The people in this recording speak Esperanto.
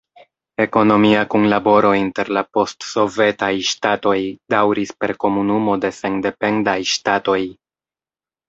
Ekonomia kunlaboro inter la post-sovetaj ŝtatoj daŭris per Komunumo de Sendependaj Ŝtatoj.